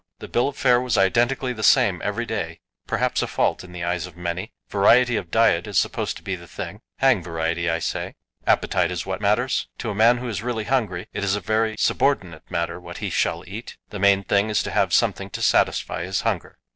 The bill of fare was identically the same every day, perhaps a fault in the eyes of many; variety of diet is supposed to be the thing. Hang variety, say I; appetite is what matters. To a man who is really hungry it is a very subordinate matter what he shall eat; the main thing is to have something to satisfy his hunger.